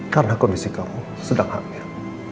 karena kondisi kamu sedang hamil